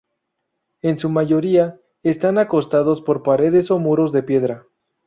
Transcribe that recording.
En su mayoría, están acotados por paredes o muros de piedras.